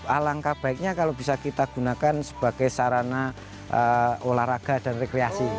alangkah baiknya kalau bisa kita gunakan sebagai sarana olahraga dan rekreasi